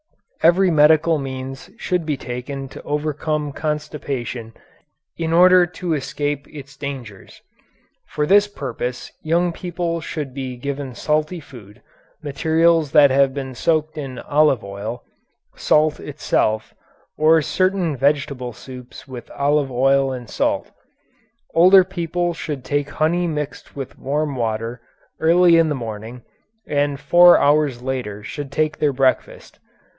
Every medical means should be taken to overcome constipation in order to escape its dangers. For this purpose young people should be given salty food, materials that have been soaked in olive oil, salt itself, or certain vegetable soups with olive oil and salt. Older people should take honey mixed with warm water early in the morning and four hours later should take their breakfast.